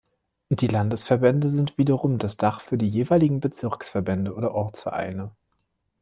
Die Landesverbände sind wiederum das Dach für die jeweiligen Bezirksverbände oder Ortsvereine.